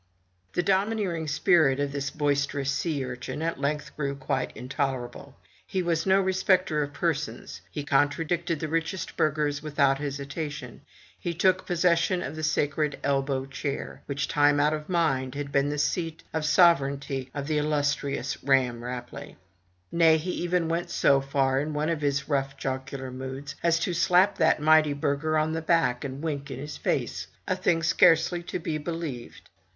The domineering spirit of this boisterous sea urchin at length grew quite intolerable. He was no respecter of persons; he con tradicted the richest burghers without hesitation; he took pos session of the sacred elbow chair, which, time out of mind, had been the seat of sovereignty of the illustrious Ramm Rapelye. Nay, he even went so far, in one of his rough jocular moods, as to slap that mighty burgher on the back, and wink in his face, a thing scarcely to be believed.